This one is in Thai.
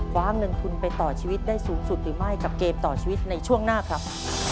ว้าเงินทุนไปต่อชีวิตได้สูงสุดหรือไม่กับเกมต่อชีวิตในช่วงหน้าครับ